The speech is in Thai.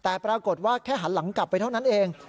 แต่ปรากฏว่าแค่หันหลังกลับไปเท่านั้นเอง